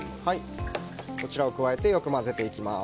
こちらを加えてよく混ぜていきます。